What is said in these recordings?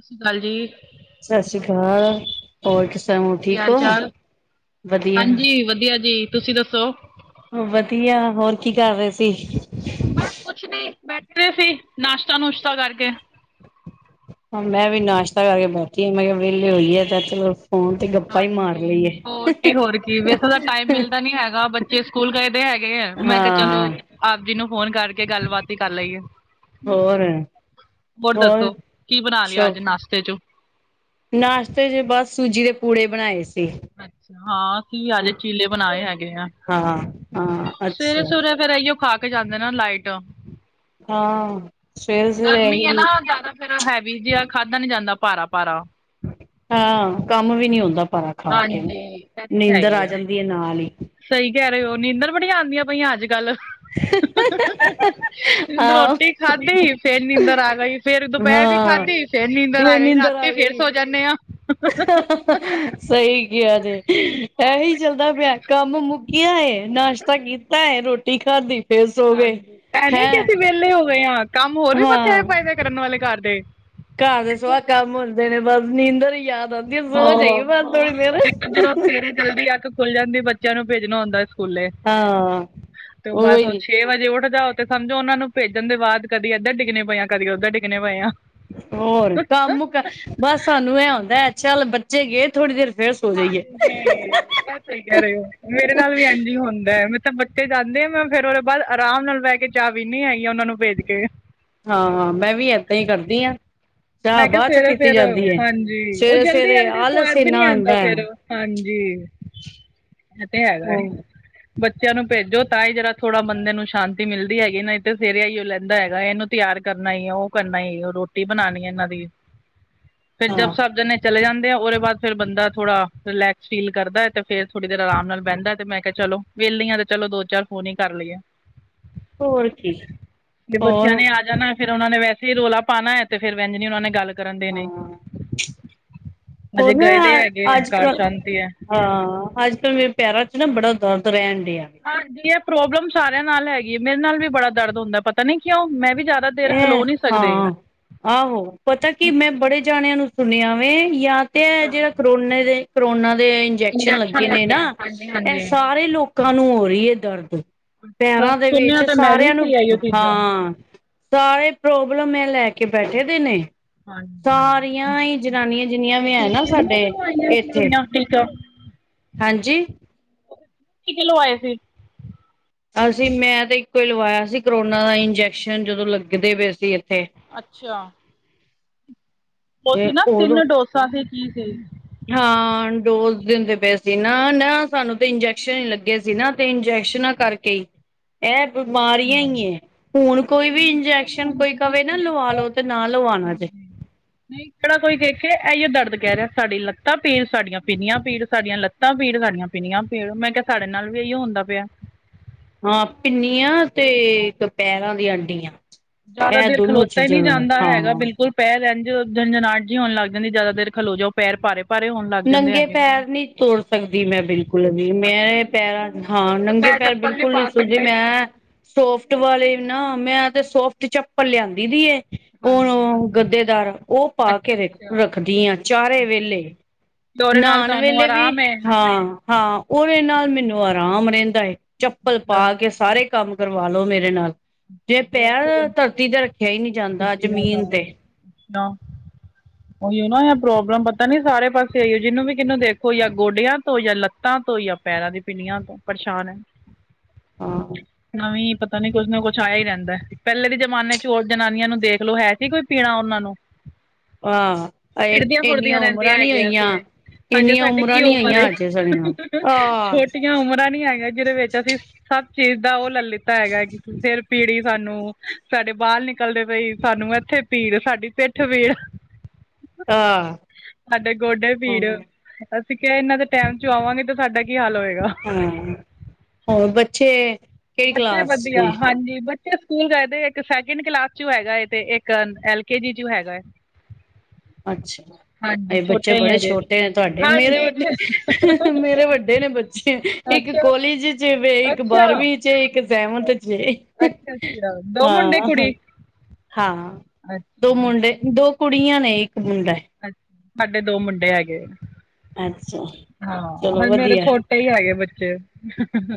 ਸਸਰੀਕਾਲ ਜੀ। ਸਸੀ ਕਾਲ, ਹੋਰ ਸੁਨਾਓ ਕੀ ਠੀਕ ਓ? ਵਦੀਆ। ਵਦੀਆ ਜੀ। ਤੁਸੀ ਦੱਸੋ? ਵਧੀਆ, ਹੋਰ ਕੀ ਕਰ ਰਏ ਸੀ? ਬਸ ਕੁਛ ਨੀ, ਬੈਠੇ ਸੀ, ਨਾਸ਼ਤਾ-ਨੁਸ਼ਤਾ ਕਰਕੇ। ਹਾਂ ਮੈਂ ਵੀ ਨਾਸ਼ਤਾ ਕਰਕੇ ਬੈਠੀ, ਮੈਂ ਕੇਆ ਵੇਲੇ ਹੋਈਏ ਤੇ ਚਲੋ ਫੋਨ ਤੇ ਗੱਪਾਂ ਹੀ ਮਾਰ ਹਾਂਜੀ, ਲਈਏ। ਹੋਰ ਕੀ ਹੋਰ ਕੀ, ਵੈਸੇ ਤਾਂ ਟਾਈਮ ਮਿਲਦਾ ਨੀ ਹੈਗਾ ਚੇ, ਸਕੂਲ ਗਏ ਦੇ ਹੈਗੇ ਐ, ਮੈਂ ਕੇਆ ਚਲੋ ਹਾਂ ਆਪ ਜੀ ਨੂੰ ਫੋਨ ਕਰਕੇ ਗੱਲਬਾਤ ਈ ਕਰ ਲਈਏ। ਹੋਰ ਹੋਰ ਦੱਸੋ, ਕੀ ਬਨਾ ਸ਼ੋ ਲੇਆ ਅੱਜ ਨਾਸ਼ਤੇ ਚੋਂ? ਨਾਸ਼ਤੇ 'ਚ ਬਸ ਸੂਜੀ ਦੇ ਪੂੜੇ ਬਣਾਏ ਸੀ। ਅੱਛਾ, ਹਾਂ ਕੀ ਅੱਜ ਚੀਲੇ ਬਣਾਏ ਹੈਗੇ ਆ ਹਾਂ ਹਾਂ ਅੱਛਾ ਸਵੇਰੇ-ਸਵੇਰੇ ਫਿਰ ਏਈ ਓ ਖਾ ਕੇ ਜਾਂਦੇ ਨਾ, ਲਾਈਟ। ਹਾਂ, ਸਵੇਰੇ-ਸਵੇਰੇ ਏਹੀ ਫਿਰ ਹੈਵੀ ਜੇਆ ਖਾਦਾ ਨੀਂ ਜਾਂਦਾ ਭਾਰਾ-ਭਾਰਾ। ਹਾਂ, ਕੰਮ ਵੀ ਨੀ ਹੁੰਦਾ ਭਾਰਾ ਖਾ ਕੇ ਹਾਂਜੀ। ਨੀਂਦਰ ਆ ਜਾਂਦੀ ਐ ਨਾਲ ਈ। ਸਈ ਕੇ ਰਏ ਓ ਨੀਂਦਰ ਬੜੀਆਂ ਆਂਦੀਆਂ ਪਈਆਂ ਅੱਜ-ਕੱਲ। [unintelligible] ਆਹ ਰੋਟੀ ਖਾਦੀ ਫੇਰ ਨੀਂਦਰ ਆ ਗਈ। ਫੇਰ ਦੁਪੈਰ ਦੀ ਹਾਂ ਖਾਧੀ ਫੇਰ ਨੀਂਦਰ ਆ ਗਈ ਰਾਤੀ ਫੇਰ ਸੌ ਜਾਂਨੇ ਆਂ। ਸਈ ਕੇਆ ਜੇ, ਏਹੀ ਕੋਈ ਚੱਲਦਾ ਪੇਆ ਕੰਮ ਮੁੱਕੇਆ ਏ ਨਾਸ਼ ਤਾ, ਕੀਤੈ ਰੋਟੀ ਖਾਦੀ ਹਾਂਜੀ, ਐ ਨਈ ਕਿ ਅਸੀਂ ਵੇਲੇ ਹੋ ਗਏ ਆਂ, ਕੰਮ ਹੋਰ ਵੀ ਹਾਂ ਬਥੇਰੇ ਪਏ ਨੇ ਕਰਨ ਵਾਲੇ ਘਰ ਦੇ। ਘਰ ਸੁਆ ਕੰਮ ਹੁੰਦੇ ਨੇ, ਬਸ ਨੀਂਦਰ ਈ ਯਾਦ ਆ ਬੀ, ਹਾਂ, ਸੌ ਜਾਈਏ ਬਸ ਥੋੜੀ ਹੋਰ ਦੇਰ ਇੱਕ ਜਦੋਂ [unintelligible] ਸਵੇਰੇ ਜਲਦੀ ਅੱਖ ਖੁੱਲ ਜਾਂਦੀ ਬੱਚੇਆਂ ਨੂੰ ਭੇਜਨਾ ਹੁੰਦੈ ਸਕੂਲੇ, ਹਾਂ ਤੇ ਬਸ ਓ ਉਹੀ ਛੇ ਵਜੇ ਉੱਠਦਾ ਤੇ ਸਮਝੋ, ਓਨਾਂ ਨੂੰ ਭੇਜਨ ਦੇ ਬਾਦ ਕਦੀ ਏਧਰ ਡਿੱਗਨੇ ਪਏ ਆਂ, ਕਦੀ ਓਧਰ ਡਿੱਗਨੇ ਪਏ ਆਂ। ਹੋਰ ਕੰਮ ਕ, ਬਸ ਸਾਨੂੰ ਐ ਹੁੰਦੈ ਚੱਲ ਬੱਚੇ ਗਏ ਥੋੜੀ ਦੇਰ ਫੇਰ ਸੌ ਹਾਂਜੀ। ਸਈ ਕੇਹ ਰਏ ਓ, ਮੇਰੇ ਨਾਲ ਵੀ ਐਂਜ ਈ ਹੁੰਦੈ ਮੈਂ ਤਾਂ ਬੱਚੇ ਜਾਂਦੇ ਐ, ਮੈਂ ਫੇਰ ਉਦੇ ਬਾਦ ਆਰਾਮ ਨਾਲ ਬੈਹ ਕੇ ਚਾ, ਪੀਨੀ ਹੈਗੀ ਆਂ, ਓਨਾਂ ਨੂੰ ਭੇਜ ਕੇ। ਹਾਂ, ਮੈਂ ਵੀ ਏਦਾਂ ਈ ਕਰਦੀ ਆਂ। ਮੈਂ ਕੇਆ ਸਵੇਰੇ ਫੇਰ ਹਾਂਜੀ ਓ ਸਵੇਰੇ ਸਵੇਰੇ ਜਲਦੀ-ਜਲਦੀ ਆਲਸ ਸਵਾਦ ਵੀ ਇੰਨਾ ਨੀ ਆਂਦਾ ਆਉਂਦਾ ਫੇਰ। ਹਾਂਜੀ ਏ ਤੇ ਹੈਗਾ ਐ। ਹੈ ਬੱਚੇਆਂ ਨੂੰ ਭੇਜੋ ਤਾਂ ਈ ਜਰਾ-ਥੋੜਾ ਬੰਦੇ ਨੂੰ ਸ਼ਾਂਤੀ ਮਿਲਦੀ ਹੈਗੀ। ਨਈੰ ਤੇ ਫੇਰ ਏ ਈਓ ਲੈਂਦਾ ਹੈਗਾ ਏਨੂੰ। ਤੇਆਰ ਕਰਨਾ ਈ, ਓ ਕਰਨਾ ਈ ਰੋਟੀ ਬਨਾਨੀ ਐ। ਓਨਾਂ ਦੀ, ਫਿਰ ਜਬ ਹਾਂ ਸਭ ਜਨੇ ਚਲੇ ਜਾਂਦੇ ਐਂ ਓਦੇ ਬਾਦ ਫੇਰ ਬੰਦਾ ਥੋੜਾ ਰਲੈਕਸ ਫੀਲ ਕਰਦੈ, ਤੇ ਫੇਰ ਥੋੜੀ ਦੇਰ ਆਰਾਮ ਨਾਲ ਬੈਂਦੈ, ਤੇ ਮੈਂ ਕੇਆ ਚਲੋ ਵੇਲੀ ਆਂ ਤੇ ਚਲੋ ਦੋ-ਚਾਰ ਫੋਨ ਈ ਕਰ ਲਈਏ। ਹੋਰ ਕੀ, ਹੋਰ? ਫੇਰ ਓਨਾਂ ਨੇ ਵੈਸੇ ਈ ਰੌਲਾ ਪਾਨਾ ਐ, ਤੇ ਫੇਰ ਐੰਜ ਨੀ ਓਨਾਂ ਨੇ ਗੱਲ ਕਰਨ ਦੇਨੀਂ, ਹਾਂ ਹੋਰ ਹਜੇ ਨਾ ਗਏ ਦੇ ਹੈਗੇ ਐਂ, ਅੱਜ ਘਰ ਕੱਲ ਸ਼ਾਂਤੀ ਐ। ਹਾਂ, ਅੱਜ-ਕੱਲ ਮੇਰੇ ਪੈਰਾਂ 'ਚ ਨਾ ਬੜਾ ਦਰਦ ਰੈਨ ਡੇਆ। ਹਾਂਜੀ, ਏਹ ਪ੍ਰੋਬਲਮ ਸਾਰੇਆਂ ਨਾਲ ਹੈਗੀ, ਮੇਰੇ ਨਾਲ ਵੀ ਬੜਾ ਦਰਦ ਹੁੰਦੈ, ਪਤਾ ਨੀ ਕਿਉਂ ਮੈਂ ਵੀ ਜਾਦਾ ਚਿਰ ਇਹ ਖਲੋ ਨੀਂ ਸਕਦੇ। ਹਾਂ ਆਹੋ ਪਤਾ ਕੀ ਮੈਂ ਬੜੇ ਜਾਨੇਆਂ ਨੂੰ ਸੁਨੇਆਂ ਵੇ ਯਾ ਤੇ ਐ ਅੱਛਾ ਜੇ ਕਰੋਨੇ ਦੇ ਕਰੋਨਾ ਦੇ ਇੰਨਜੈਕਸ਼ਨ ਲੱਗੇ ਇੰਜੈਕਸ਼ਨ ਨੇ ਨਾ ਲੱਗਿਆ ਹਾਂਜੀ ਐ ਹਾਂਜੀ ਸਾਰੇ ਲੋਕਾਂ ਨੂੰ ਹੋ ਰੀ ਏ ਦਰਦ ਪੈਰਾਂ ਦੇ ਸੁਣਿਆ ਵਿੱਚ ਤਾਂ ਮੈਂ ਵੀ ਸਾਰੇਆਂ ਨੂੰ ਸੀ ਆਈਓ ਚੀਜ਼ਾਂ ਹਾਂ ਸਾਰੇ ਪ੍ਰੋਬਲਮ ਐ ਲੈ ਕੇ ਬੈਠੇ ਦੇ ਨੇ। ਹਾਂਜੀ ਸਾਰੀਆਂ ਈ ਜਨਾਨੀਆਂ ਜਿੰਨੀਆਂ ਵੀ ਐ ਨਾ ਸਾਡੇ ਏਥੇ ਠੀਕ ਆ। ਹਾਂਜੀ ਟੀਕੇ, ਲਵਾਏ ਫੇਰ ਅਸੀਂ ਮੈਂ ਤੇ ਇੱਕੋ ਈ ਲਵਾਇਆ ਸੀ, ਕਰੋਨਾ ਦਾ ਇੰਜੈਕਸ਼ਨ ਜਦੋਂ ਲੱਗਦੇ ਪਏ ਸੀ ਐਥੇ। ਅੱਛਾ। ਓਨਾਂ ਤੇ ਸੀ ਨਾ ਉਦੋਂ ਤਿੰਨ ਡੋਸਾ ਦੇ ਟੀਕੇ। ਹਾਂ ਡੋਜ਼ ਦਿੰਦੇ ਪਏ ਸੀ ਨਾ-ਨਾ ਸਾਨੂੰ ਤੇ ਇੰਜੈਕਸ਼ਨ ਈ ਲੱਗੇ ਸੀ ਨਾ ਤੇ ਇੰਜੈਕਸ਼ਨਾਂ ਕਾਰ ਕੇ ਐ ਬਿਮਾਰੀਆਂ ਈ ਏ। ਹੁਣ ਕੋਈ ਵੀ ਇੰਜੈਕਸ਼ਨ ਕੋਈ ਕਵੇ ਨਾ ਲਵਾ ਲੋ ਤੇ ਨਾ ਲਵਾਣਾ ਜੇ। ਨਈ ਕੇੜਾ ਕੋਈ ਦੇਖੇ ਐਇਓ ਦਰਦ ਕੈ ਰੇਆ ਸਾਡੀ ਲੱਤਾਂ ਪੀੜ ਸਾਡੀਆਂ ਪੀਣੀਆਂ ਪੀੜ ਸਾਡੀਆਂ ਲੱਤਾਂ ਤਾਂ ਪੀੜ ਸਾਡੀਆਂ ਪੀਣੀਆਂ ਪੀੜ ਮੈਂ ਕੇਆ ਸਾਡੇ ਨਾਲ ਵੀ ਐਇਓ ਹੁੰਦਾ ਪਯਾ। ਹਾਂ, ਪਿਨੀਆਂ ਤੇ ਇਕ ਪੈਰਾਂ ਦੀਆਂ ਅੱਡੀਆਂ। ਜਾਦਾ ਦੇਰ ਖਲੋਤਾ ਈ ਨੀ ਜਾਂਦਾ ਹੈਗਾ ਹਾਂ ਬਿਲਕੁਲ ਪੈਰ ਐੰਜ ਜੰਜਨਾਹਟ ਜੀ ਹੋਣ ਲੱਗ ਜਾਂਦੀ ਜਾਦਾ ਦੇਰ ਖਲੋ ਜੋ ਪੈਰ ਪਾਰੇ ਨੰਗੇ ਪੈਰ ਨੀ ਤੁਰ ਸਕਦੀ ਮੈਂ ਬਿਲਕੁਲ ਵੀ ਅੱਛਾ ਮੈ ਪੈਰਾਂ ਹਾਂ ਤੇ ਨੰਗੇ ਮੈਂ ਪੈਰ ਚੱਪਲ ਬਿਲਕੁਲ ਨੀ ਪਾ ਜੇ ਸਕਦੀ। ਮੈਂ ਸੋਫਟ ਵਾਲੇ ਨਾ ਮੈਂ ਤੇ ਸੋਫਟ ਚੱਪਲ ਲਿਆਂਦੀ ਦੀ ਏ ਹੁਣ ਹਾਂਜੀ। ਓ ਗੱਦੇਦਾਰ ਓ ਪਾ ਅੱਛਾ ਕੇ ਵੇ ਅੱਛਾ। ਰੱਖਦੀ ਆ ਚਾਰੇ ਵੇਲੇ ਅੱਛਾ ਤੇ ਉਹਦੇ ਨਾਲ ਨਾਣ ਤੁਹਾਨੂੰ ਵੇਲੇ ਵੀ ਆਰਾਮ ਹੈ। ਹਾਂ। ਹਾਂ, ਓਰੇ ਨਾਲ ਮੈਨੂੰ ਆਰਾਮ ਰੈੰਦਾ ਏ ਚੱਪਲ ਅੱਛਾ ਪਾ ਕੇ ਸਾਰੇ ਕੰਮ ਕਰਵਾ ਲੋ ਮੇਰੇ ਨਾਲ ਜੇ ਵੈਸੇ ਪੈਰ ਧਰਤੀ ਤੇ ਰੱਖਿਆ ਈ ਨੀ ਤੇ ਜਾਂਦਾ ਪੀੜਾ ਜ਼ਮੀਨ ਚਾਲੂ ਤੇ ਨਾ [inaudible] ਓਇਨਾ ਐ ਪ੍ਰੋਬਲਮ ਪਤਾ ਨੀ ਸਾਰੇ ਪਾਸੇ ਐਇਓ ਜਿਨੂੰ ਵੀ ਕਿਨੂੰ ਦੇਖੋ ਯਾਂ ਗੋਡਿਆਂ ਤੋਂ, ਯਾ ਲੱਤਾਂ ਤੋਂ ਯਾਂ ਪੈਰਾਂ ਦੀ ਪਿਣਿਆਂ ਤੋ ਪਰੇਸ਼ਾਨ ਐ। ਆਹੋ। ਨਵੀ ਪਤਾ ਨੀ ਕੁੱਝ ਨਾ ਕੁੱਝ ਛਾਇਆ ਈ ਰੈੰਦਾ। ਪੈਲੇ ਦੇ ਜਮਾਨੇ ਚ ਹੋਰ ਜਨਾਨੀਆਂ ਨੂੰ ਦੇਖ ਲੋੋ ਓ ਹੈਸੀ ਕੋਈ ਪੀੜਾ ਓਨਾਂ ਨੂੰ ਹਾਂ ਇੰਨੀਆਂ ਫਿਰਦੀਆਂ-ਫੁਰਦੀਆਂ ਉਮਰਾਂ ਰੈਂਦੀਆਂ ਨੀ ਹੈਗੀਆਂ ਸੀ। ਹੋਈਆਂ ਹਜੇ, ਇੰਨੀਆਂ ਸਾਡੀ ਉਮਰਾਂ ਕੀ ਨੀ ਉਮਰ ਹੋਈਆਂ ਏ ਅਜੇ ਸਾਡੀਆਂ ਆਹ ਛੋਟੀ ਆ ਉਮਰਾਂ ਨੀ ਹੈਗੀਆਂ। ਜਿਦੇ ਵਿੱਚ ਅਸੀਂ ਸਭ ਚੀਜ਼ ਦਾ ਓ ਲੈ ਲਿੱਤਾ ਹੈਗਾ ਕਿ ਫੇਰ ਪੀੜੀ ਸਾਨੂੰ ਸਾਡੇ ਬਾਲ ਨਿਕਲਦੇ ਪਏ ਈ ਸਾਨੂੰ ਐਥੇ ਪੀੜ ਸਾਡੀ ਪੇੱਠ ਪੀੜ ਹ ਸਾਡੇ ਗੋਡੇ ਪੀੜ, ਹਾਂ ਅਸੀਂ ਕੇਆ ਐਨਾਂ ਦੇ ਟਾਈਮ ਚੋ ਆਵਾਂਗੇ ਤੇ ਸਾਡੇ ਹਾਂ, ਹੋਰ ਬੱਚੇ ਕਿਹੜੀ ਬੱਚੇ ਕਲਾਸ ਵਧੀਆ, ਨੇ ਹਾਂਜੀ ਬ ਚੇ ਸਕੂਲ ਗਏ ਦੇ ਇੱਕ ਸੈਕਿੰਡ ਕਲਾਸ' ਚੋ ਹੈਗਾ ਏ ਤੇ ਇੱਕ ਐਲ ਕੇ ਜੀ ਚੋ ਹੈਗਾ। ਅੱਛਾ। ਹਾਂਜੀ ਤੇ ਬੱਚੇ ਛੋਟੇ ਹੀ ਬੜੇ ਹਜੇ ਛੋਟੇ ਨੇ ਤੁਆਡੇ ਮੇਰੇ ਹਾਂਜੀ ਚ ਵੱਡੇ ਮੇਰੇ ਵੱਡੇ ਨੇ ਬੱਚੇ ਇੱਕ ਅੱਛਾ ਕੋਲਿਜ ਅ- ਚ ਵੇ ਇੱਕ ਅੱਛਾ ਬਾਰਵੀਂ ਚ, ਇਕ ਸੈਵੰਥ ਚ ਏ। ਅੱਛਾ ਅੱਛਾ ਦੋ ਮੁੰਡੇ ਹਾਂ ਕੁੜੀ ਹਾਂ। ਦੋ ਅੱਛਾ ਮੁੰਡੇ--ਦੋ ਕੁੜੀਆਂ ਨੇ, ਇੱਕ ਮੁੰਡਾ ਏ। ਅਛ--ਹਾਡੇ ਦੋ ਮੁੰਡੇ ਹੈਗੇ, ਅੱਛਾ ਹਾਂ, ਚਲੋ ਹੁਣ ਮੇਰੇ ਵਧੀਆ ਛੋ ਕੇ ਈ ਹੈਗੇ ਬੱਚੇ।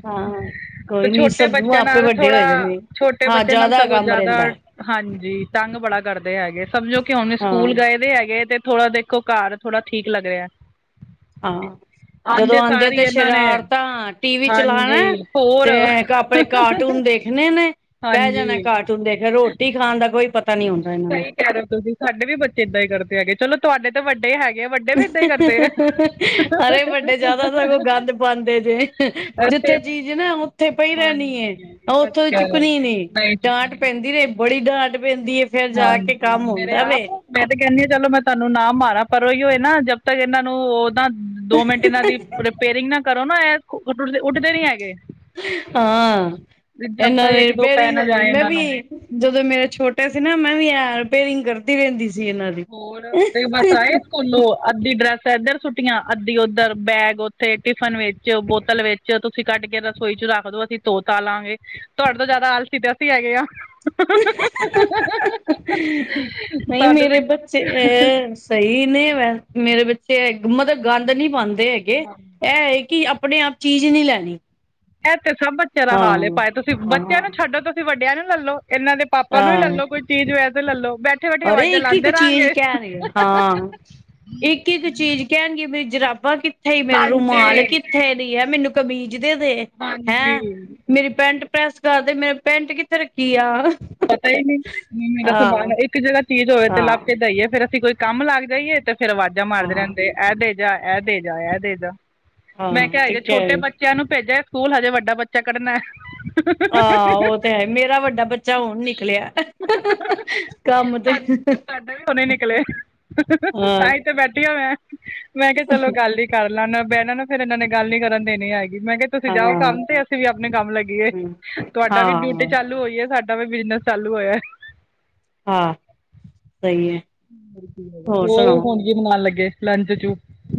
ਹਾਂ ਕੋਈ ਤੇ ਨੀ ਛੋਟੇ ਸਭ ਬੱਚਿਆਂ ਆਪੇ ਨਾਲ ਵੱਡੇ ਥੋੜਾ, ਹੋ ਜਾਣੇ ਛੋਟੇ ਹਾਂ ਬੱਚਿਆਂ ਨਾਲ ਜ਼ਿਆਦਾ ਸਗੋਂ ਕੰਮ ਜਾਦਾ ਰਹਿੰਦਾ ਹਾਂਜੀ, ਤੰਗ ਬੜਾ ਕਰਦੇ ਹੈਗੇ ਸਮਝੋ ਕਿ ਹੁਣ ਵੀ ਹਾਂ ਸਕੂਲ ਗਏ ਦੇ ਹੈਗੇ ਤੇ ਥੋੜਾ ਦੇਖੋ ਘਰ, ਥੋੜਾ ਠੀਕ ਲੱਗ ਰਿਹਾ। ਹਾਂ, ਜਦੋਂ ਆਉਂਦੇ ਆਂਦੇ ਸਾਰ ਹੀ ਤੇ ਇਹਨਾਂ ਨੇ ਸ਼ਰਾਰਤਾਂ, ਟੀ ਵੀ ਚਲਾਣਾ ਹਾਂਜੀ ਹੋਰ ਤੇ ਐ ਕਾ ਪੇ ਕਾਰਟੂਨ ਦੇਖਣੇ ਨੇ। ਬੈ ਹਾਂਜੀ ਜਾਨਾ ਕਾਰਟੂਨ ਦੇਖਣ, ਰੋਟੀ ਖਾਨ ਦਾ ਕੋਈ ਪਤਾ ਨੀ ਹੁੰਦਾ ਇਨਾਂ ਨੂੰ। ਸਹੀ ਕਹਿ ਰਹੇ ਹੋ ਤੁਸੀਂ, ਸਾਡੇ ਵੀ ਬੱਚੇ ਏਦਾਂ ਹੀ ਕਰਦੇ ਹੈਗੇ ਚਲੋ ਤੁਹਾਡੇ ਤੇ ਵੱਡੇ ਹੈਗੇ ਆ, ਵੱਡੇ ਵੀ ਏਦਾਂ ਹੀ ਕਰਦੇ ਆ ਅਰੇ ਵੱਡੇ ਜ਼ਿਆਦਾ ਸਗੋਂ ਗੰਦ ਪਾਉਂਦੇ ਜੇ ਇੱਥੇ ਜਿੱਥੇ ਚੀਜ਼ ਨਾ ਓਥੇ ਪਈ ਰੈਨੀ ਏ ਹਾਂਜੀ ਤਾਂ ਓਥੋਂ ਅਸੀਂ ਦੀ ਕਹਿ ਰਹੇ ਚੁੱਕਣੀ ਨ ਨਹੀਂ ਡਾਂਟ ਚੁੱਕਣੀ ਪੈਂਦੀ ਰਹਿੰ ਬੜੀ ਡਾਂਟ ਪੈਂਦੀ ਏ, ਫੇਰ ਜਾ ਕੇ ਹਾਂਜੀ ਕੰਮ ਮੇਰੇ ਹੁੰਦਾ ਵੇ। ਆਪ ਮੈਂ ਤੇ ਕਹਿੰਦੀ ਹਾਂ, ਚਲੋ ਮੈਂ ਤੁਹਾਨੂੰ ਨਾ ਮਾਰਾ, ਪਰ ਉਹੀ ਹੋਏ ਨਾ ਜਦ ਤੱਕ ਇਹਨਾਂ ਨੂੰ ਦੋ ਮਿੰਟ ਇਨਾਂ ਦੀ ਪਰਪੇਅਰਿੰਗ ਨਾ ਕਰੋ ਨਾ, ਐ ਉਠ--ਉੱਠਦੇ ਨੀ ਹੈਗੇ। ਹਾਂ, ਜਦ ਏਨਾਂ ਤੱਕ ਦੀ ਇੱਕ ਦੋ ਪੈ ਰਿਪੇਅਰਿੰਗ ਨਾ ਹੁੰਦੀ ਜਾਏ ਮੈਂ ਇਹਨਾਂ ਵੀ ਨੂੰ ਜਦੋਂ ਮੇਰੇ ਛੋਟਾ ਸੀ ਨਾ, ਮੈਂ ਵੀ ਰਿਪੇਅਰਿੰਗ ਕਰਦੀ ਰਹਿੰਦੀ ਸੀ ਜੀ ਏਨਾਂ ਦੀ। ਓ ਨੋ ਅੱਧੀ ਡਰੈਸ ਇੱਧਰ ਸੁੱਟੀਆਂ, ਅੱਧੀ ਓਦਰ, ਬੈਗ ਓ ਤੇ ਟਿਫਨ ਵਿੱਚ, ਬੋਤਲ ਵਿਚ ਤੁਸੀਂ ਕੱਡ ਕੇ ਰਸੋਈ ਚ ਰੱਖ ਦੋ, ਅਸੀਂ ਧੋ ਧਾਂ ਲਾਂਗੇ। ਤੋਡੇ ਤੋਂ ਜਾਦਾ ਆਲਸੀ ਅਸੀਂ ਹੈਗੇ ਆਂ। ਨ‌ਈ, ਸਾਨੂੰ ਮੇਰੇ ਬੱਚੇ ਅ ਸਹੀ ਨੀ ਵੈਸੇ ਮੇਰੇ ਬੱਚੇ, ਮਤਲਬ ਗੰਦ ਨੀ ਪਾਉਂਦੇ ਹੈਗੇ। ਵੀ ਐ ਏ ਕੀ ਆਪਣੇ-ਆਪ ਚੀਜ਼ ਨੀ ਲੈਣੀ। ਐ ਤੇ ਸਭ ਬੱਚਿਆਂ ਦਾ ਹਾਂ ਹਾਲ ਐ, ਭਾਵੇਂ- ਤੁਸੀਂ ਬੱਚਿਆਂ ਹਾਂ ਨੂੰ ਛੱਡੋ। ਤੁਸੀਂ ਵੱਡਿਆਂ ਨੂੰ ਲਲੋ। ਏਨਾਂ ਦੇ ਪਾਪਾ ਨੂੰ ਹੀ ਹਾਂ ਲੈਲੋ, ਕੋਈ ਚੀਜ਼ ਹੋਇ ਤੇ ਲੈਲੋ ਬੈਠ ਅਰੇ, ਇੱਕ -ਇੱਕ ਚੀਜ਼ ਕਹਿ ਦੀ--ਹਾਂ, ਇੱਕ- ਇੱਕ ਚੀਜ਼ ਕੈਨਗੇ ਮੇਰੀ ਜਰਾਬਾਂ ਕਿੱਥੇ ਈ, ਮੇਰਾ ਰੁਮਾਲ ਹਾਂਜੀ ਕਿੱਥੇ ਦੀ ਹੈ। ਮੈਨੂੰ ਕਮੀਜ਼ ਦੇ ਦੇ ਹਾਂਜੀ। ਹੈਂ ਮੇਰੀ ਪੈੰਟ ਪ੍ਰੈਸ ਕਰਦੇ, ਮੇਰੇ ਪੈਂਟ ਕਿੱਥੇ ਰੱਖੀ ਆ। ਪਤਾ ਈ ਨੀ ਮੇਰਾ ਸਬਾ ਹਾਂ ਇੱਕ ਜਗਾ ਚੀਜ਼ ਹੋਵੇ ਤੇ, ਲੱਭ ਹਾਂ ਕੇ ਦਈਏ ਫੇਰ ਅਸੀਂ ਕੋਈ ਕੰਮ ਲੱਗ ਜਾਈਏ ਤੇ ਫੇਰ ਵਾਜ਼ਾਂ ਮਾਰਦੇ ਹਾਂ ਰਹਿੰਦੇ, ਐ ਦੇ ਜਾ, ਐ ਦੇ ਜਾ, ਐ ਦੇ ਜਾ। ਮੈਂ ਹਾਂ ਕਿਹਾ- ਤੇ ਅਜੇ ਛੋਟੇ ਕਹਿ ਬੱਚਿਆਂ ਨੂੰ ਭੇਜਿਆ ਸਕੂਲ, ਹਜੇ ਵੱਡਾ ਬੱਚਾ ਕੱਢਣਾ। ਅ ਓ ਤੇ ਮੇਰਾ ਵੱਡਾ ਬੱ ਬੱਚਾ ਹੁਨ ਨਿਕਲਿਆ ਕੰਮ ਤੇ ਤੁਹਾਡਾ ਵੀ ਹੁਣੇ ਨਿਕਲੇ ਹਾਂ ਤਾਂ ਹੀ ਤੇ ਬੈਠਿਆਂ ਹੋਇਆ ਮੈਂ ਕਿਹਾ- ਚਲੋ, ਗੱਲ ਹੀ ਕਰਲਾਂ, ਏਨਾਂ ਬਹਿਣਾ ਨੂੰ ਫਿਰ ਏਨਾਂ ਨੇ ਗੱਲ ਨੀ ਕਰਨ ਦੇਣੀ ਹੈਗੀ, ਮੈਂ ਕਿਹਾ ਤੁਸੀਂ ਜਾਓ ਹਾਂ ਕੰਮ ਤੇ, ਅਸੀਂ ਵੀ ਆਪਣੇ ਕੰਮ ਲੱਗੀਏ, ਤੁਹਾਡਾ ਵੀ ਡਿਊਟੀ ਹਾਂ ਚਾਲੂ ਹੋਈਏ ਸਾ ਡਾ ਵੀ ਬਿਜਨਸ ਚਾਲੂ ਹੋਇਐ। ਹਾਂ ਸਹੀ ਹੈ ਹੋਰ ਹੋਣ ਕੀ ਬਨਾਣ ਲੱਗੇ। ਲੰਚ ਚ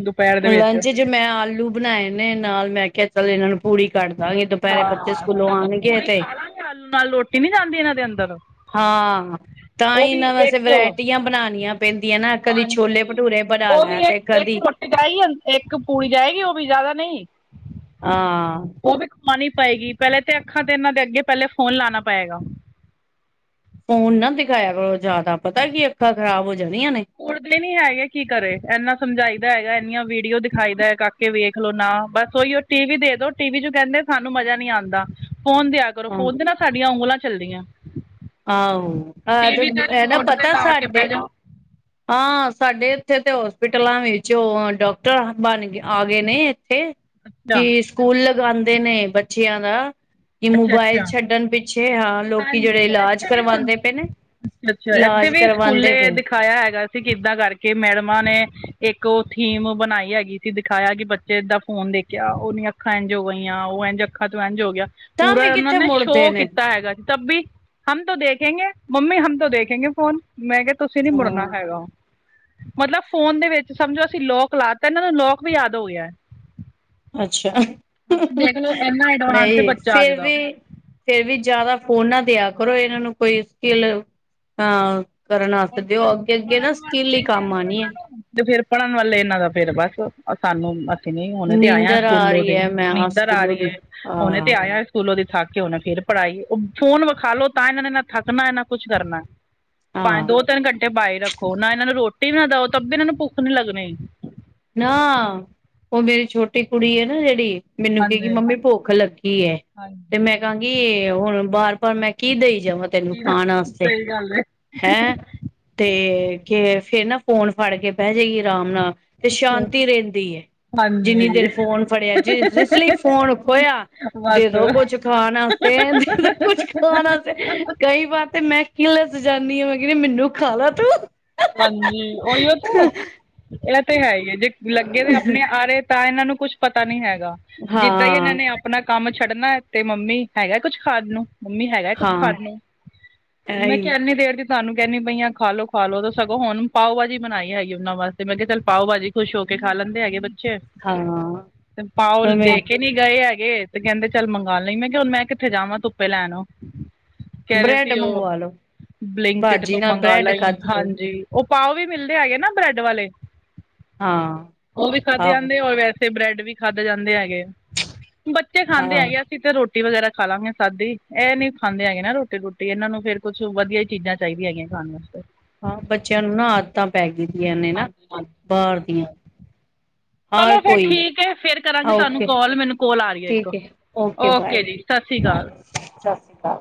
ਦੁਪਹਿਰ ਦੇ ਵਿੱਚ ਲੰਚ ਚ ਮੈਂ ਆਲੂ ਬਨਾਏ ਨੇ ਨਾਲ ਮੈਂ ਕਿਹਾ- ਚੱਲ, ਏਨਾਂ ਨੂੰ ਪੂੜੀ ਕੱਢਦਾਂਗੇ, ਦੋਪੈਰੇ ਬੱਚੇ ਹਾਂ ਸਕੂਲੋਂ ਸਗੋਂ ਆਣਗੇ ਪੂੜੇ ਤੇ ਖਾ ਲਾਂਗੇ ਆਲੂ ਨਾਲ ਰੋਟੀ ਨੀ ਜਾਂਦੀ ਏਨਾਂ ਦੇ ਅੰਦਰ ਹਾਂ, ਤਾਂ ਉਹ ਹੀ ਵੀ ਏਨਾਂ ਵਾਸੇ ਇੱਕ ਵਰੈਟੀਆਂ ਬਣਾਣੀਆਂ। ਪੈਂਦੀਆਂ ਨਾ, ਕਦੀ ਛੋਲੇ ਭਟੂਰੇ ਬਣਾ ਲੈ ਤੇ ਕਦੀ ਏ ਡਾਈ ਹੁਣ ਇੱਕ ਪੂੜੀ ਜਾਏਗੀ ਓ ਵੀ ਜਾਦਾ ਨਈ। ਹਾਂ। ਓ ਵੀ ਖਆਣੀ ਪਏਗੀ ਪੈਲੇ ਤੇ ਅੱਖਾਂ ਤੇ ਏਨਾਂ ਦੇ ਅੱਗੇ ਪੈਲੇ ਫੋਨ ਲਾਣਾ ਪਏਗਾ। ਫੋਨ ਨਾ ਦਿਖਾਇਆ ਕਰੋ ਜ਼ਾਦਾ ਪਤਾ ਕੀ ਅੱਖਾਂ ਖ਼ਰਾਬ ਹੋ ਜਾਣੀਆਂ ਨੇ। ਉੱਡਦੇ ਨੀ ਹੈਗੇ ਕੀ ਕਰੇ ਏਨਾ ਸਮਝਾਈਦਾ ਹੈਗਾ, ਐਨੀਆਂ ਵੀਡੀਓ ਦਿਖਾਈ ਦਾ ਐ। ਕੱਖ ਕੇ ਵੇਖ ਲੋ ਨਾ ਬਸ ਓਈ ਓ ਟੀ ਵੀ ਦੇ ਦੋ, ਟੀ ਵੀ 'ਚ ਕੈਂਦੇ ਸਾਨੂੰ ਮਜ਼ਾ ਨੀ ਆਂਦਾ। ਫੋਨ ਦਿਆ ਕਰੋ। ਹਾਂ ਫੋਨ ਤੇ ਨਾ ਸਾਡੀਆਂ ਉਂਗਲਾਂ ਚੱਲਦੀਆਂ। ਆਹੋ ਐ ਟੀ ਤੇ ਵੀ ਦੇ ਐ ਨਾ ਰਿਮੋਟ ਤੇ ਪਤਾ ਲਾ ਕੇ ਸਾਡੇ ਬਹਿ ਜਾਓ ਹਾਂ ਸਾਡੇ ਏਥੇ ਤੇ ਹੋਸਪਿਟਲਾਂ ਵਿੱਚ ਓ ਡਾਕਟਰ ਬਣ ਆ ਗੇ ਨੇ ਏਥੇ। ਅੱਛਾ ਕੀ ਸਕੂਲ ਲਗਾਂਦੇ ਨੇ ਬੱਚਿਆਂ ਦਾ, ਕੀ ਅੱਛਾ ਮੋਬਾਇਲ ਅੱਛਾ ਛੱਡਣ ਪਿੱਛ ਪਿੱਛੇ ਹਾਂ। ਲੋਕੀ ਜਿਹੜੇ ਹਾਂਜੀ ਇਲਾਜ ਐਥੇ ਵੀ ਹੁਣ ਕਰਵਾਉਂਦੇ ਪਏ ਨੇ ਅ ਅੱਛਾ ਐਥੇ ਇਲਾਜ ਵੀ ਕਰਵਾਉਂਦੇ ਸਕੂਲੇ ਪਏ ਦਿਖਾਇਆ ਹੈਗਾ। ਕੀ ਕਿੱਦਾਂ ਕਰਕੇ ਮੈਡਮਾਂ ਨੇ ਇੱਕ ਓ ਥੀਮ ਬਣਾਈ ਹੈਗੀ ਸੀ ਦਿਖਾਇਆ ਕੀ ਬੱਚੇ ਦਾ ਫੋਨ ਦੇਖਿਆ, ਓਦੀਆਂ ਅਖ ਅੱਖਾਂ ਏਂਝ ਹੋ ਗਈਆਂ ਓ ਏਂਝ ਅੱਖਾਂ ਤੋ ਏਂਝ ਹੋ ਗਿਆ, ਤਾਂ ਪੂਰਾ ਵੀ ਕਿੱਥੇ ਓਨਾਂ ਮੁੜਦੇ ਸ਼ੋਅ ਨੇ ਕੀਤਾ ਹੈਗਾ। ਤਬੀ ਹਮ ਤੋਂ ਦੇਖੇਗੇ- ਮੰਮੀ ਹਮ ਤੋ ਦੇਖੇਂਗੇ ਫੋਨ। ਮੈਂ ਕਿਆ ਤੁਸੀਂ ਨੀ ਮੁੜਨਾ। ਹਾਂ ਹੈਗਾ, ਮਤਲਬ ਫੋਨ ਦੇ ਵਿੱਚ ਸਮਝੋ ਅਸੀਂ ਲੋਕ ਲਾਤਾ, ਏਨਾਂ ਨੂੰ ਲੋਕ ਵੀ ਯਾਦ ਓ ਗਿਆ। ਅੱਛਾ, ਮਤਲਬ ਦੇਖ ਲਓ ਇੰਨਾ ਐਡਵਾਂਸ ਹੈ ਨਈ ਬੱਚਾ ਅੱਜ ਫੇਰ ਦਾ ਵੀ ਫੇਰ ਵੀ ਜ਼ਾਦਾ ਫੋਨ ਨਾ ਦਿਆ ਕਰੋ, ਏਨਾਂ ਨੂੰ ਕੋਈ ਸਕਿਲ, ਹਾਂ ਕਰਨ ਆਸਤੇ ਔਰ ਦਿਓ, ਅੱਗੇ ਅੱਗੇ ਨਾ ਪੜ੍ਹਨ ਸਕੀਲ ਵਾਸਤੇ ਈ ਕਹਿ ਕੰਮ ਦੋ ਆਣੀ ਇਹਨਾਂ ਏ। ਨੂੰ ਤੇ ਫੇਰ ਪੜ੍ਹਨ ਵਾਲੇ ਏਨਾਂ ਦਾ ਫੇਰ ਬਸ, ਸਾਨੂੰ ਨਈ ਹੁਨੇ ਤੇ ਆਇਆ ਨੀਂਦਰ ਆ ਸਕੂਲੋਂ ਰਹੀ ਦੇ ਹੈ ਮੈਂ ਨੀਂਦਰ ਆ ਸਕੂਲੋਂ ਰੀ ਦੀ ਏ, ਹੁਨੇ ਹਾਂ ਤੇ ਆਇਆਂ। ਸਕੂਲੋਂ ਦੀ ਥੱਕ ਕੇ ਹੁਣ ਫੇਰ ਪੜ੍ਹਾਈ, ਓ ਫੋਨ ਵਖਾਲੋ ਤਾਂ ਏਨਾਂ ਨੇ ਨਾ ਥੱਕਣਾ ਨਾ ਕੁਛ ਕਰਨਾ। ਭਾਵੇ ਹਾਂ ਦੋ- ਤਿੰਨ ਘੰਟੇ ਬਾਈ ਰੱਖੋ ਨਾ ਏਨਾਂ ਨੂੰ ਰੋਟੀ ਵੀ ਨਾ ਦਓ ਤਭ ਏਨਾਂ ਨੂੰ ਭੁੱਖ ਨੀ ਲੱਗਣੀ। ਨਾ, ਓ ਮੇਰੀ ਛੋਟੀ ਕੁੜੀ ਏ ਨਾ ਜੇੜੀ ਮੈਨੂੰ ਕਏਗੀ ਹਾਂਜੀ ਮੰਮੀ ਭੁੱਖ ਲੱਗੀ ਏ, ਤੇ ਹਾਂਜੀ ਮੈਂ ਕਾਂਂਗ ਗੀ ਹੁਣ ਬਾਰ -ਬਾਰ ਮੈਂ ਦੇਈ ਜਾਵਾਂ ਤੇਨੂੰ ਕੀ ਖਾਣ ਆਸਤੇ। ਸਹੀ ਗੱਲ ਹੈ ਹੈਂ, ਤੇ ਫੇਰ ਨਾ ਫੋਨ ਫੜ ਕੇ ਬੈਜੇ ਗੀ ਆਰਾਮ ਨਾ। ਤੇ ਸ਼ਾਂਤੀ ਰੈਂਦੀ ਏ। ਜਿੰਨੀ ਹਾਂਜੀ ਦੇਰ ਫੋਨ ਫੜਿਆ ਜਿਸ -ਜਿਸ ਲੈ ਈ ਫੋਨ ਖੋਇਆ ਦੇ ਬਸ ਦੋ ਕੁਛ ਖਾਣਾ। ਤੇ ਦੇ ਦੋ ਕੁਛ ਖਾਨ ਆਸੇ, ਕਈ ਵਾਰ ਤੇ ਮੈਂ ਕਿਲਸ ਜਾਨੀ ਆਂ ਮੈਂ ਕੈਨੀ ਮੈਨੂੰ ਖਾ ਲਾ ਤੂੰ। ਹਾਂਜੀ ਓਈ ਓ ਤੇ ਐ ਤੇ ਹੈ ਈ ਏ ਜੇ ਲੱਗੇ ਦੇ ਆਪਣੇ ਆਰੇ ਤਾਂ ਏਨਾਂ ਨੂੰ ਕੁੱਛ ਪਤਾ ਨੀ ਹੈਗਾ, ਜਿੱਦਾਂ ਈ ਏਨਾਂ ਹਾਂ ਨੇ ਆਪ ਆਪਣਾ ਕੰਮ ਛੱਡਣਾ ਤੇ, ਮੰਮੀ ਹੈਗਾ ਕੁਛ ਖਾਨ ਨੂੰ। ਮੰੰਮੀ ਹੈਗਾ ਕੁਛ ਹਾਂ ਖਾਂਣ ਨੂੰ, ਮੈਂ ਕਿਆ ਇਹੀ ਏਨੀ ਦੇਰ ਦੀ ਤਾਨੂੰ ਕੈਣੀ ਬਈ ਆਂ ਖਾਲੋ- ਖਾਲੋ ਸਗੋਂ ਹੁਣ ਪਾਓ ਭਾਜੀ ਬਣਾਈ ਹੈਗੀ ਓਨਾਂ ਵਾਸਤੇ, ਮੈਂ ਕਿਆ ਚੱਲ ਪਾਓ ਭਾਜੀ ਖੁਸ਼ ਹੋ ਕੇ ਖਾ ਲੈਂਦੇ ਹੈਗੇ ਬੱਚੇ। ਹਾਂ ਪਾਓ ਲ ਮੈਂ ਦੇ ਕੇ ਨੀ ਗਏ ਹੈਗੇ ਤੇ ਕੈਂਦੇ ਚੱਲ ਮੰਗਾ ਲਈਂ, ਮੈਂ ਕਿਆ ਹੁਣ ਮੈਂ ਕਿੱਥੇ ਜਾਵਾਂ ਧੁੱਪੇ ਲੈਣ। ਕੈ ਰੇ ਬ੍ਰੈਡ ਸੀ ਓ, ਮੰਗਵਾ ਲੋ ਬਲਿੰਕਟ ਭਾਜੀ ਤੋਂ ਨਾਲ ਮੰਗਾ ਬ੍ਰੈਡ ਲਈੰ। ਖਾਦੀ ਹਾਂ ਜਾਏ ਜੀ ਓ ਪਾਓ ਵੀ ਮਿਲਦੇ ਹੈਗੇ ਨਾ ਬ੍ਰੈਡ ਵਾਲੇ। ਹਾਂ ਓ ਵੀ ਖਾਧੇ ਆਹੋ ਜਾਂਦੇ ਔਰ ਵੈਸੇ ਬ੍ਰੈਡ ਵੀ ਖਾਧੇ ਜਾਂਦੇ ਹੈਗੇ। ਬੱਚੇ ਖਾਂਦੇ ਆਹੋ ਹੈਗੇ, ਅਸੀਂ ਤੇ ਰੋ ਰੋਟੀ ਵਗੈਰਾ ਖਾ ਲਾਂਗੇ ਸਾਦੀ ਇਹ ਨੀ ਖਾਂਦੇ ਹੈਗੇ ਨਾ ਰੋਟੀ ਰੋਟੀ ਇਹਨਾਂ ਨੂੰ ਫੇਰ ਕੁੱਛ ਵਧੀਆ ਚੀਜ਼ਾਂ ਚਾਹੀ ਦੀਆ ਹੈਗੀਆਂ ਖਾਣ ਵਾਸਤੇ। ਹਾਂ ਬੱਚਿਆਂ ਨੂੰ ਨਾ ਆਦਤਾਂ ਪੈ ਗਈ ਦੀਆਂ ਨ ਨੇ ਨਾ ਹਾਂਜੀ ਹਾਂਜੀ ਬਾਹਰ ਦੀਆਂ ਚਲੋ ਹਰ ਫੇਰ ਕੋਈ ਠੀਕ ਹੈ ਫੇਰ ਕਰਾਂਗੇ ਤੁਹਾਨੂੰ ਓਕੇ ਕਾਲ ਮੈਨੂੰ ਕੋਲ ਆ ਰਹੀ ਹੈ ਇੱਕ ਓਕੇ ਜੀ। ਸਤਿ ਸ੍ਰੀ ਬਾਏ ਅਕਾਲ। ਸਤਿ ਸ਼੍ਰੀ ਅਕਾਲ